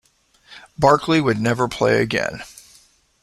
Barkley would never play again.